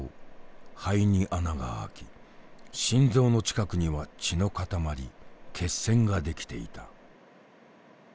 肺に穴が開き心臓の近くには血の塊血栓が出来ていた。